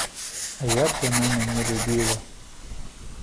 А як яна мяне любіла!